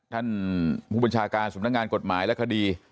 ท่านผู้บัญชาการสำนักงานกฎหมายและคดี